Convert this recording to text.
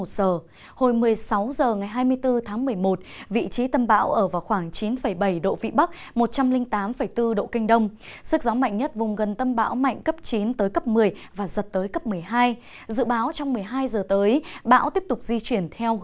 xin chào và hẹn gặp lại trong các bản tin tiếp theo